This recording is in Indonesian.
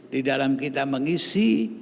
di dalam kita mengisi